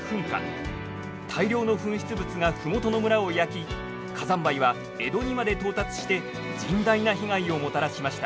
大量の噴出物が麓の村を焼き火山灰は江戸にまで到達して甚大な被害をもたらしました。